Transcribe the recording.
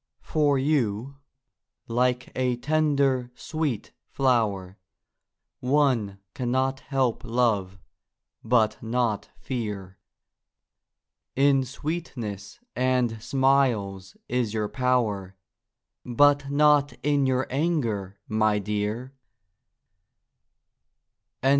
For you, like a tender, sweet flower, One cannot help love, but not fear; In sweetness and smiles is your power, But not in your anger, my dear!